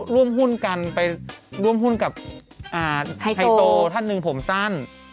ร่วมหุ้นกันไปร่วมหุ้นกับไฮโตท่านหนึ่งผมสั้น